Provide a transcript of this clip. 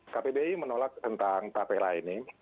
kpbi menolak tentang tapera ini